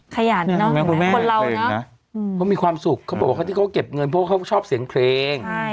ขยันเนอะคนเราน่ะเขามีความสุขเขาบอกว่าเขาต้องเก็บเงินเพราะเขาชอบเสียงเพลง